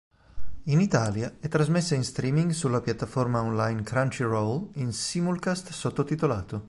In Italia è trasmessa in streaming sulla piattaforma online Crunchyroll in simulcast sottotitolato.